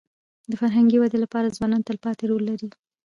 د فرهنګي ودي لپاره ځوانان تلپاتې رول لري.